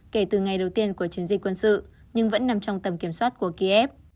kể từ ngày đầu tiên của chiến dịch quân sự nhưng vẫn nằm trong tầm kiểm soát của kiev